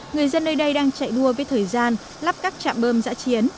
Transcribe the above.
người dân nơi đây đang chạy đua với thời gian lắp các tạm bôm giả chiến